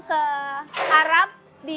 ke arab di